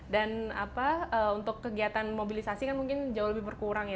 dan apa untuk kegiatan mobilisasi kan mungkin jauh lebih berkurang ya